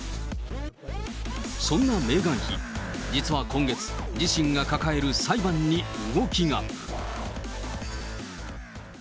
そんなメーガン妃、実は今月、自身が抱える裁判に動きが。